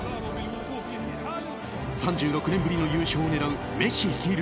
３６年ぶりの優勝を狙うメッシ率いる